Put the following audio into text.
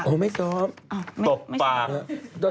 โอ้โฮไม่ซอฟต์ตกปากไม่ใช่